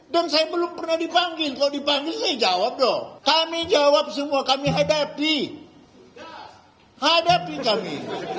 dan saya belum pernah dipanggil kalau dipanggil saya jawab dong kami jawab semua kami hadapi hadapi kami